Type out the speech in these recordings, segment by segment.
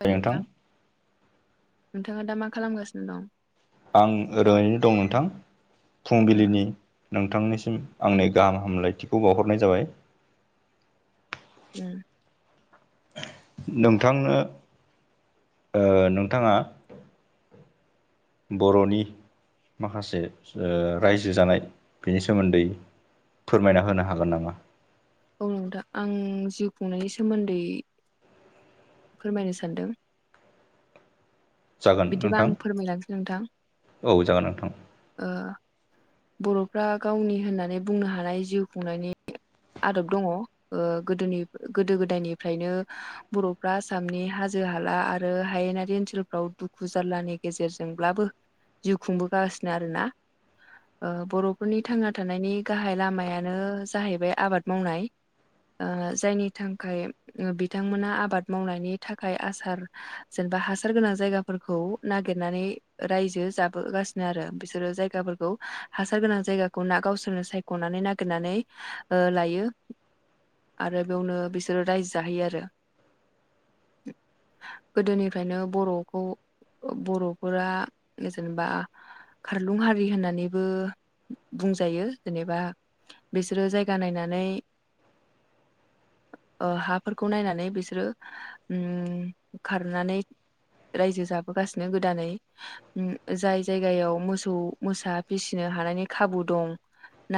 [unintelligible] नोंथां नोंथाङा दा मा खालामगासिनो दं? आं ओरैनो दं नोंथां ओ फुंबिलिनि नोंथांनिसिम आंनि गाहाम हामलायथिखौ बावह'रनाय जाबाय ओम नोंथांनो ओ नोंथाङा बर'नि माखासे ओ रायजो जानाय बेनि सोमोन्दै फोरमायना होनो हागोन नामा? औ नोंथा आं जिउ खुंनायनि सोमोन्दै फोरमायनो सानदों जागोन बिदिबा नोंथां आं फोरमायलांसै नोंथां औ जागोन नोंथां ओ बर'फ्रा गावनि होननानै बुंनो हानाय जिउ खुंनायनि आदब दङ' ओ गोदोनि गोदो-गोदायनिफ्रायनो बर'फ्रा आसामनि हाजो-हाला आरो हायेनारि ओनसोलफ्राव दुखु जारलानि गेजेरजोंब्लाबो जिउ खुंबोगासिनो आरोना ओ बर'फोरनि थांना थानायनि गाहाय लामायानो जाहैबाय आबाद मावनाय ओ जायनि थांखाय बिथांमोना आबाद मावनायनि थाखाय आसार जेनबा हासार गोनां जायगा फोरखौ नागिरनानै रायजो जाबोगासिनो आरो बिसोरो जायगाफोरखौ हासार गोनां जायगाखौ ना गावसोरनो सायख' गनानै नागिरनानै ओ लायो आरो बेवनो बिसोरो रायजो जाहैयो आरो गोदोनिफ्रायनो बर'खौ बर'फोरा जेनेबा खारलुं हारि होननानैबो बुंजायो जेनेबा बेसोरो जायगा नायनानै ओ हाफोरखौ नायनानै बिसोरो ओम खारनानै रायजो जाबोगासिनो गोदानै ओम जाय जायगायाव मोसौ मोसा फिसिनो हानायनि खाबु दं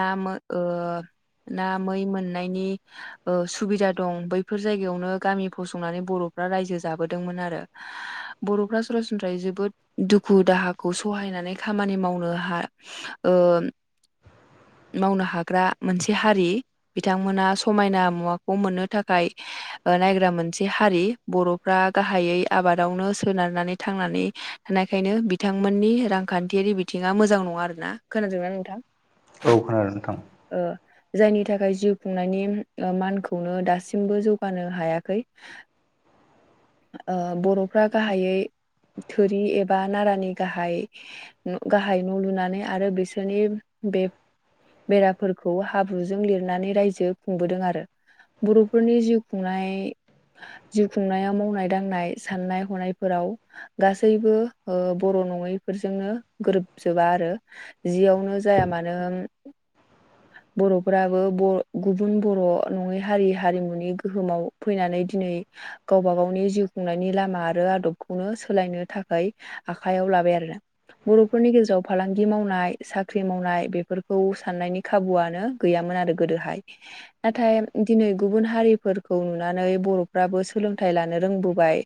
ना मो ओ ना मै मोननायनि ओ सुबिदा दं बैफोर जायगायावनो गामि फसंनानै बर'फ्रा रायजो जाबोदोंमोन आरो बर'फ्रा सरासनस्रायै जोबोद दुखु-दाहाखौ सहायनानै खामानि मावनो हा ओम मावनो हाग्रा मोनसे हारि बिथांमोना समायना मुवाखौ मोननो थाखाय ओ नायग्रा मोनसे हारि बर'फ्रा गाहायै आबादावनो सोनारनानै थांनानै थानायखायनो बिथांमोननि रांखान्थियारि बिथिङा मोजां नङा आरोना खोनादोंना नोंथां? [inaudible] औ खोनादों नोंथां ओ जायनि थाखाय जिउ खुंनायनि मानखौनो दासिमबो जौगानो हायाखै ओ बर'फ्रा गाहायै थोरि एबा नारानि गाहाय गाहाय न' लुनानै आरो बिसोरनि बे बेराफोरखौ हाब्रुजों लिरनानै रायजो खुंबोदों आरो बर'फोरनि जिउ खुंनाय जिउ खुंनायाव मावनाय-दांनाय, साननाय-हनायफोराव गासैबो ओ बर' नङैफोरजोंनो गोरोबजोबा आरो जियावनो जाया मानो बर'फोराबो ब गुबुन बर' नङै हारि हारिमुनि गोहोमाव फैनानै दिनै गावबा-गावनि जिउ खुंनायनि लामा आरो आद'ब खौनो सोलायनो थाखाय आखायाव लाबाय आरोना बर'फोरनि गेजेराव फालांगि मावनाय साख्रि मावनाय बेफोरखौ साननायनि खाबुआनो गैयामोन आरो गोदोहाय नाथाय दिनै गुबुन हारिफोरखौ नुनानै बर'फ्राबो सोलोंथाइ लानो रोंबोबाय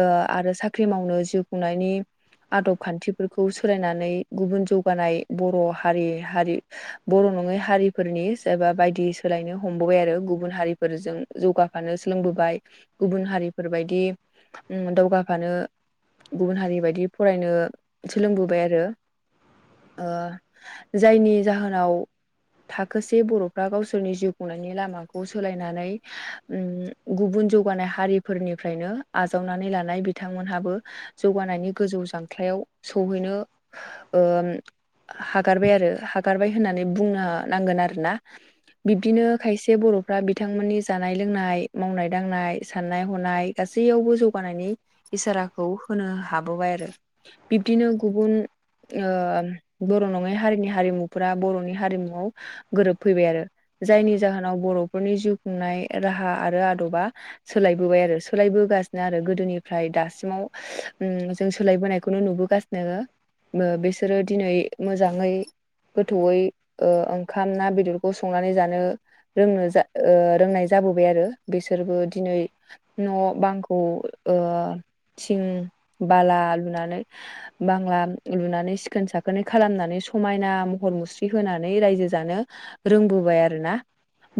ओ आरो साख्रि मावनो जिउ खुंनायनि आदब खान्थिफोरखौ सोलायनानै गुबुन जौगानाय बर' हारि हारि बर' नङै हारिफोरनि एबा बायदि सोलायनो हमबोबाय आरो गुबुन हारिफोरजों जौगाखानो सोलोंबोबाय गुबुन हारिफोरबायदि उम दावगा फानो गुबुन हारि बायदि फरायनो सोलोंबोबाय आरो ओ जायनि जाहोनाव थाखोसे बर'फ्रा गावसोरनि जिउ खुंनायनि लामाखौ सोलायनानै उम गुबुन जौगानाय हारिफोरनिफ्रायनो आजावनानै लानाय बि बिथांमोनहाबो हो जौगानायनि गोजौ जांख्लायाव सौहैनो ओ हागारबाय आरो हागारबाय होननानै बुंनो नांगोन आरोना बिब्दिनो खायसे बर'फ्रा बिथांमोननि जानाय लोंनाय मावनाय दांनाय साननाय हनाय गासैआवबो जौगानायनि इसाराखौ होनो हाबोबाय आरो बिब्दिनो गुबुन ओ बर' नङै हारिनि हारिमुफ्रा बर'नि हारिमुआव हो गोरोबफैबाय आरो जायनि जाहोनाव बर'फोरनि जिउ खुंनाय राहा आरो आदबा सोलायबोबाय आरो सोलायबोगासिनो आरो गोदोनि फ्राय दासिमाव उम जों सोलायबोनायखौनो नुबोगासिनो उम बिसोरो दिनै मोजांयै गोथौयै ओ ओंखाम ना बेदरखौ संनानै जानो रोंनो जा ओ रोंनाय जाबोबाय आरो बिसोरबो दिनै न' बांखौ ओ थिं बाला लुनानै बांला लुनानै सिखोन साखोनै खालामनानै समायना महर मुस्रि होनानै रायजो जानो रोंबोबाय आरोना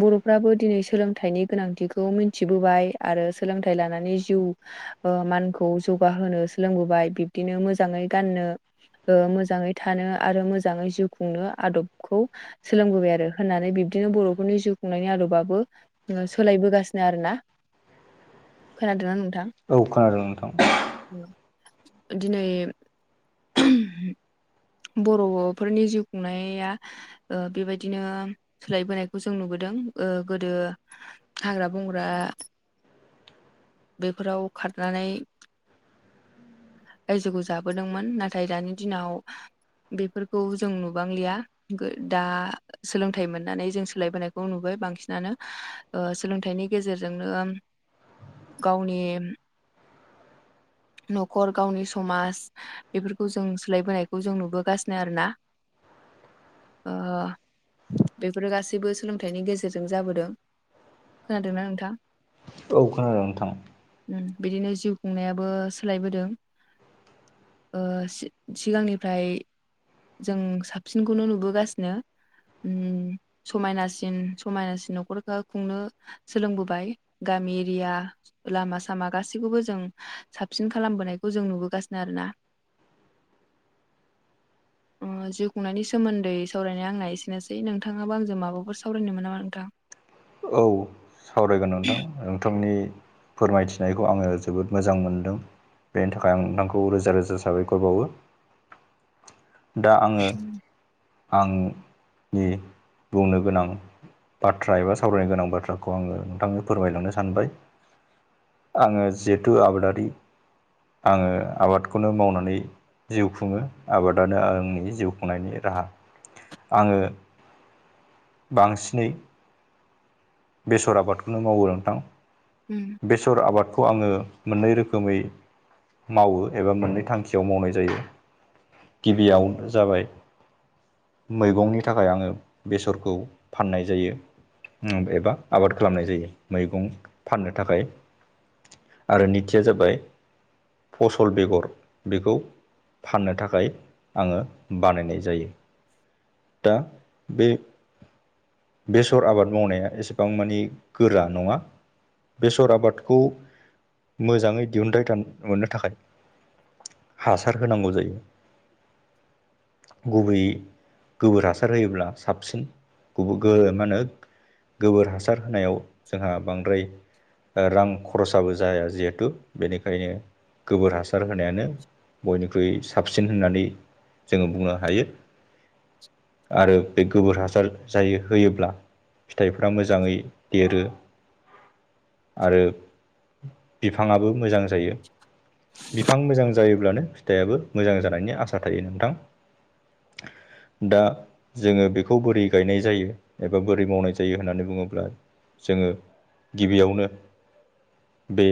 बर'फ्राबो दिनै सोलोंथाइनि गोनांथिखौ मिनथिबोबाय आरो सोलोंथाइ लानानै जिउ ओ मानखौ जौगाहोनो सोलोंबोबाय बिब्दिनो मोजाङै गाननो ओ मोजांयै थानो आरो मोजाङै जिउ खुंनो आदबखौ सोलोंबोबाय आरो होननानै बिब्दिनो बर'फोरनि जिउ खुंनायनि आदबाबो ओ सोलायबोगासिनो आरोना खोनादोंना नोंथां औ खोनादों नोंथां ओ दिनै ओह बर'फोरनि जिउ खुंनाया ओ बेबायदिनो सोलायबोनायखौ जों नुबोदों ओ गोदो हाग्रा बंग्रा बेफोराव खारनानै रायजोखौ जाबोदोंमोन नाथाय दानि दिनाव बेफोरखौ जों नुबांलिआ ओ दा सोलोंथाइ मोननानै जों सोलायबोनायखौ नुबाय बांसिनानो ओ सोलोंथाइनि गेजेरजोंनो गावनि न'खर गावनि समाज बेफोरखौ जों सोलायबोनायखौ जों नुबोगासिनो आरो ना ओ बेफोरो गासैबो सोलोंथाइनि गेजेरजों जाबोदों खोनादोंना नोंथां औ खोनादों नोंथां बिदिनो जिउ खुंनायाबो सोलायबोदों ओ सिगांनिफ्राय जों साबसिनखौनो नुबोगासिनो उम समायनासिन समायनासिन न'खरखो खुंनो सोलोंबोबाय गामि एरिया लामा सामा गासैखौबो जों साबसिन खालामबोनायखौ जों नुबोगासिनो आरो ना [inaudible] जिउ खुंनायनि सोमोन्दै सावरायनाय आंना एसेनोसै नोंथाङाबो आंजों माबाफोर सावरायनो मोन नामा नोंथां औ सावरायगोन नोंथां नोंथांनि फोरमायथिनायखौ आङो जोबोद मोजां मोनदों बेनि थाखाय आं नोंथांखौ रोजा रोजा साबायखर बावो [inaudible] दा आङो आंनि बुंनो गोनां बाथ्रा एबा सावरायनो गोनां बाथ्राखौ आङो नोंथांनो फोरमायलांनो सानबाय आङो जिहेथु आबादारि आङो आबादखौनो मावनानै जिउ खुङो आबादानो आंनि जिउ खुंनायनि राहा आङो बांसिनै बेसर आबादखौनो मावो नोंथां ओम बेसर आबादखौ आङो मोननै रोखोमै मावो एबा मोननै थांखियाव मावनाय जायो गिबियावनो जाबाय मैगंनि थाखाय आङो बेसरखौ फाननाय जायो एबा आबाद खालामनाय जायो मैगं फाननो थाखाय आरो नैथिया जाबाय फसल बेगर बेखौ फाननो थाखाय आङो बानायनाय जायो दा बे बेसर आबाद मावनाया एसेबां मानि गोरा नङा बेसर आबादखौ मोजाङै दिहुनथाइ मोननो थाखाय हासार होनांगौ जायो गुबैयै गोबोर हासार होयोब्ला साबसिन मा होनो गोबोर हासार होनायाव जोंहा बांद्राय रां खरसाबो जाया जिहेथु बेनिखायनो गोबोर हासार होनायानो बयनिख्रुइ साबसिन होननानै जोङो बुंनो हायो आरो बे गोबोर हासार जायो होयोब्ला फिथाइफ्रा मोजाङै देरो आरो बिफाङाबो मोजां जायो बिफां मोजां जायोब्लानो फिथायाबो मोजां जानायनि आसा थायो नोंथां दा जोङो बेखौ बोरै गायनाय जायो एबा बोरै मावनाय जायो होननानै बुङोब्ला जोङो गिबियावनो बे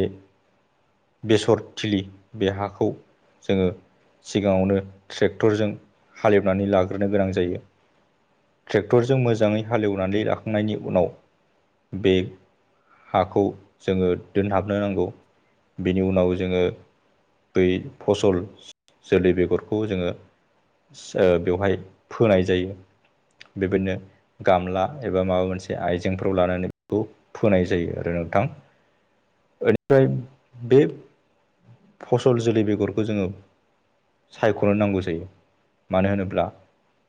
बेसर थिलि बे हाखौ जोङो सिगाङावनो ट्रेक्टरजों हालेबनानै लाग्रोनो गोनां जायो ट्रेक्टरजों मोजाङै हालेवनानै लाखांनायनि उनाव बे हाखौ जोङो दोनहाबनो नांगौ बेनि उनाव जोङो दै फसल जोलै बेगरखौ जोङो ओ बेवहाय फोनाय जायो बेबायदिनो गामला एबा माबा मोनसे आइजेंफोराव लानानै बेखौ फोनाय जायो आरो नोंथां ओरैहाय [unintelligible] बे फसल जोलै बेगरखौ जोङो सायख'नो नांगौ जायो मानो होनोब्ला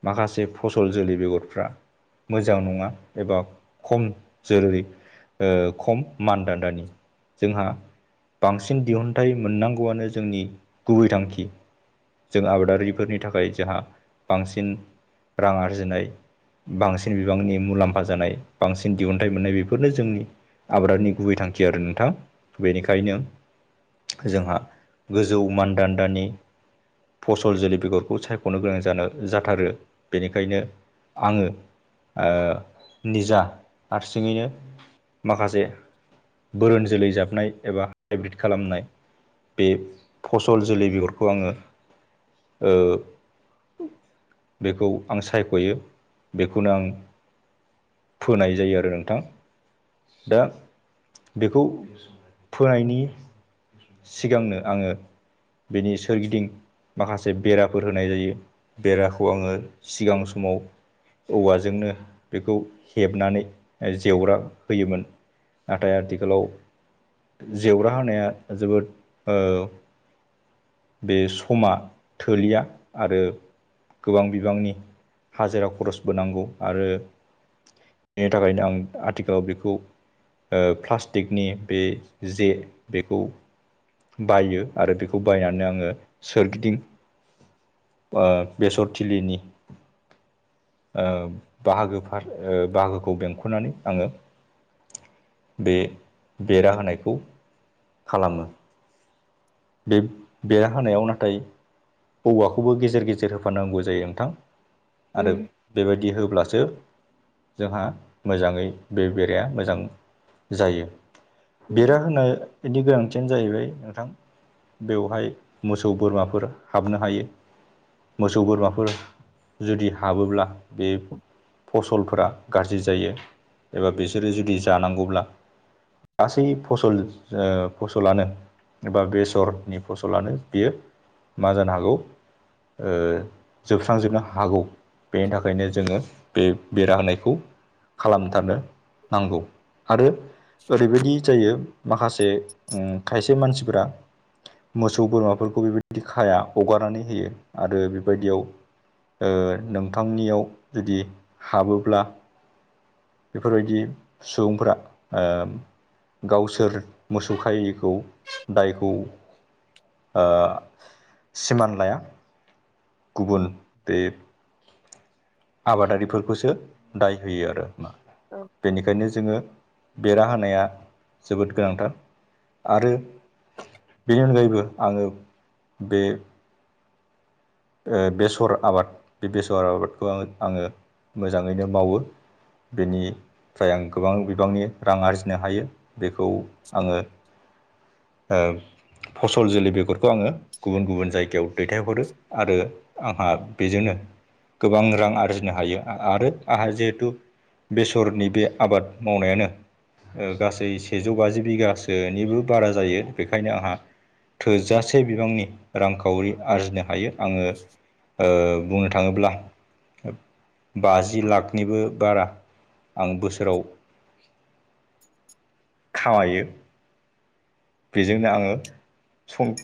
माखासे फसल जोलै बेगरफ्रा मोजां नङा एबा खम जेरै ओ खम मानदान्दानि जोंहा बांसिन दिहुनथाइ मोननांगौआनो जोंनि गुबै थांखि जों आबादारिफोरनि थाखाय जोंहा बांसिन रां आरजिनाय बांसिन बिबांनि मुलामफा जानाय बांसिन दिहुनथाइ मोननाय बेफोरनो जोंनि आबादनि गुबै थांखि आरो नोंथां बेनिखायनो जोंहा गोजौ मानदान्दानि फसल जोलै बेगरखौ सायख'नो गोनां जानो जाथारो बेनिखायनो आङो आ निजा हारसिङैनो माखासे बोरोन जोलै जाबनाय एबा हाइब्रिद खालामनाय बे फसल जोलै बिगरखौ आङो ओ बेखौ आं सायख'यो बेखौनो आं फोनाय जायो आरो नोंथां दा बेखौ फोनायनि सिगांनो आङो बेनि सोरगिदिं माखासे बेराफोर होनाय जायो बेराखौ आङो सिगां समाव औवाजोंनो बेखौ हेबनानै जेवरा होयोमोन नाथाय आथिखालाव जेवरा होनाया जोबोद ओ बे समा थोलिया आरो गोबां बिबांनि हाजिरा खरस बोनांगौ आरो बेनि थाखायनो आं आथिखालाव बेखौ ओ प्लास्टिकनि बे जे बेखौ बायो आरो बेखौ बायनानै आङो सोरगिदिं आ बेसरथिलिनि आ बाहागोफार बाहागोखौ बेंख'नानै आङो बे बेरा होनायखौ खालामो बे बेरा होनायाव नाथाय औवाखौबो गेजेर गेजेर होफानांगौ जायो नोंथां आरो उम बेबायदि होब्लासो जोंहा मोजाङै बे बेराया मोजां जायो बेरा उम होनायनि गोनांथियानो जाहैबाय नोंथां बेवहाय मोसौ बोरमाफोर हाबनो हायो मोसौ बोरमाफोर जुदि हाबोब्ला बे फसलफोरा गाज्रि जायो एबा बिसोरो जुदि जानांगौब्ला गासै फसल ओ फसलानो बा बे सरनि फसलानो बेयो मा जानो हागौ ओ जोबस्रांजोबनो हागौ बेनि थाखायनो जोङो बे बेरा होनायखौ खालामथारनो नांगौ आरो ओरैबायदि जायो माखासे ओम खायसे मानसिफोरा मोसौ बोरमाफोरखौ बेबायदि खाया हगारनानै होयो आरो बेबायदियाव ओ नोंथांनियाव जुदि हाबोब्ला बेफोरबायदि सुबुंफोरा ओ गावसोर मोसौ खायिखौ दायखौ ओ सिमान लाया गुबुन बे आबादारिफोरखौसो दाय होयो आरो मा औ बेनिखायनो जोङो बेरा होनाया जोबोद गोनांथार आरो बेनि अनगायैबो आङो बे ओ बेसर आबाद बे बेसर आबादखौ आ आङो मोजाङैनो मावो बेनिफ्राय आं गोबां बिबांनि रां आरजिनो हायो बेखौ आङो ओ फसल जोलै बेगरखौ आङो गुबुन गुबुन जायगायाव दैथायहरो आरो आंहा बेजोंनो गोबां रां आरजिनो हायो आरो आंहा जिहेथु बेसरनि बे आबाद मावनाया ओ गासै सेजौ बाजि बिगासोनिबो बारा जायो बेखायनो आंहा थोजासे बिबांनि रांखावरि आरजिनो हायो आङो ओ बुंनो था थाङोब्ला बाजि लाखनिबो बारा आं बोसोराव खामायो। बेजोंनो आङो सम